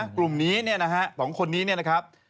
กลุ่มนี้ตรวงคนนี้นะครับ